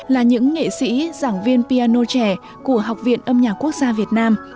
là những nghệ sĩ giảng viên piano trẻ của học viện âm nhạc quốc gia việt nam